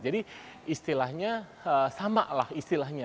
jadi istilahnya sama lah istilahnya